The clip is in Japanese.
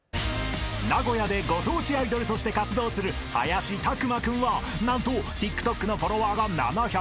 ［名古屋でご当地アイドルとして活動する林拓磨君は何とＴｉｋＴｏｋのフォロワーが７３０万人］